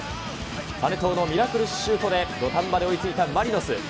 實藤のミラクルシュートで、土壇場で追いついたマリノス。